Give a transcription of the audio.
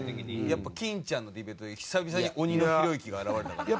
やっぱ金ちゃんのディベートで久々に鬼のひろゆきが現れたので。